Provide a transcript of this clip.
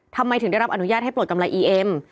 ทำไมถึงได้รับอนุญาตให้ปลดกำไรอีเอ็ม